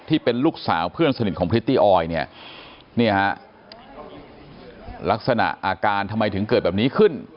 ที่เป็นลูกสาวเพื่อนสนิทของพริตตี้ออยเนี่ยฮะลักษณะอาการทำไมถึงเกิดแบบนี้ขึ้น